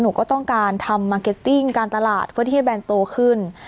หนูก็ต้องการทำมาร์เก็ตติ้งการตลาดเพื่อที่ให้แบนโตขึ้น